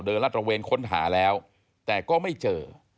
เดินละตรงเวณค้นหาแล้วแต่ก็ไม่เจอ